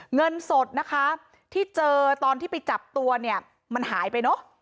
เงินสดนะคะที่เจอตอนที่ไปจับตัวเนี่ยมันหายไปเนอะ